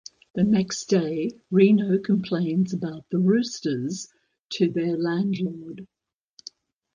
The next day, Reno complains about the Roosters to their landlord.